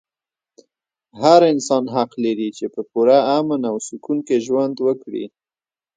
هر انسان حق لري چې په پوره امن او سکون کې ژوند وکړي.